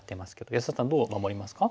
安田さんどう守りますか？